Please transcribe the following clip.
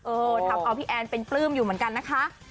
ทำเอาพี่แอนเป็นปลื้มอยู่เหมือนกันนะคะ